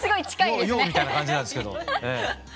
ようよう！みたいな感じなんですけど。